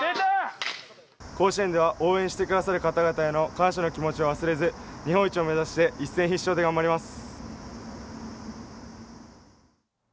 甲子園では応援してくださる方々への感謝の気持ちを忘れず日本一を目指して一戦必勝で頑張ります。